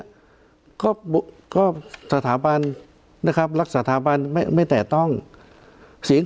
และก็สถาบันและรักษาสถาบันเราไม่โตใจสรรคของครู